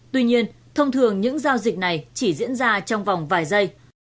tuy nhiên thông thường những giao dịch này chỉ diễn ra trong vòng vài giây